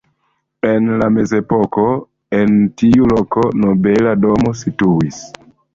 En la mezepoko en tiu loko nobela domo situis.